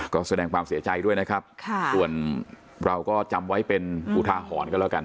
ก็แสดงความเสียใจด้วยนะครับส่วนเราก็จำไว้เป็นอุทาหรณ์กันแล้วกัน